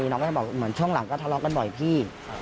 น้องก็จะบอกเหมือนช่วงหลังก็ทะเลาะกันบ่อยพี่